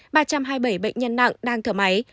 ba trăm hai mươi bảy bệnh nhân nặng đang thở máy